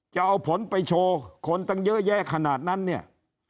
จะเอาผลไปโชว์คนตั้งเยอะแยะขนาดนั้นเนี่ย